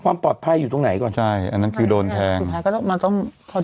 ความปลอดภัยอยู่ตรงไหนก่อนใช่อันนั้นคือโดนแทงสุดท้ายก็ต้องมันต้องเขา